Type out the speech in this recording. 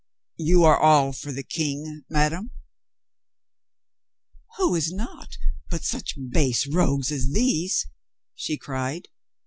"You are all for the King, madame?" "Who is not but such base rogues as these?" she cried.